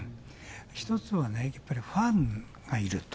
一つはね、やっぱりファンがいると。